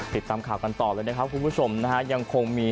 ติดตามข่าวกันต่อเลยนะครับคุณผู้ชมนะฮะยังคงมี